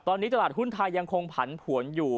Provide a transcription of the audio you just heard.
ตอนนี้ตลาดหุ้นไทยยังคงผันผวนอยู่